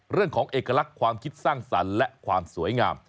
เอกลักษณ์ความคิดสร้างสรรค์และความสวยงาม